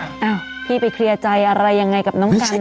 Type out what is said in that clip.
อ้าวพี่ไปเคลียร์ใจอะไรยังไงกับน้องกัน